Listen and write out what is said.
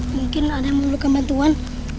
mungkin ada yang memerlukan bantuan